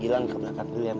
gilang ke belakang dulu ya ma